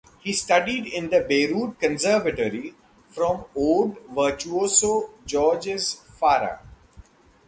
He studied in the Beirut conservatory from oud virtuoso Georges Farah.